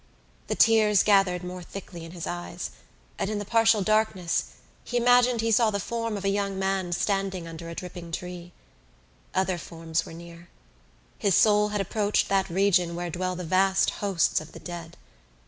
The tears gathered more thickly in his eyes and in the partial darkness he imagined he saw the form of a young man standing under a dripping tree. Other forms were near. His soul had approached that region where dwell the vast hosts of the dead.